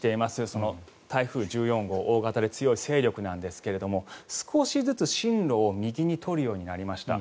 その台風１４号大型で強い勢力なんですが少しずつ進路を右に取るようになりました。